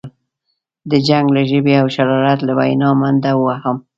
د جنګ له ژبې او شرارت له وینا منډه وهم.